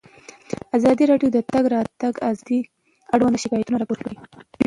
ازادي راډیو د د تګ راتګ ازادي اړوند شکایتونه راپور کړي.